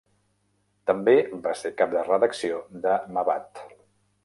També va ser cap de redacció de Mabat.